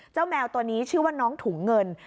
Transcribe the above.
แมวตัวนี้ชื่อว่าน้องถุงเงิน